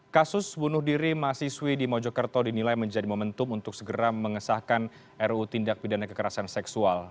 kasus bunuh diri mahasiswi di mojokerto dinilai menjadi momentum untuk segera mengesahkan ruu tindak pidana kekerasan seksual